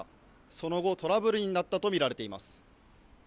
その後、トラブルになったと見られています。